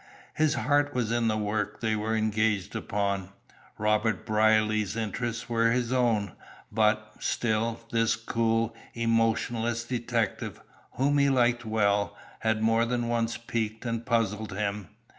His heart was in the work they were engaged upon. Robert Brierly's interests were his own; but, still, this cool, emotionless detective, whom he liked well, had more than once piqued and puzzled him.